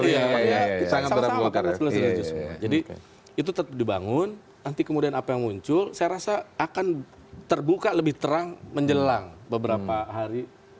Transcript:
iya kita sama sama jadi itu tetap dibangun nanti kemudian apa yang muncul saya rasa akan terbuka lebih terang menjelang beberapa hari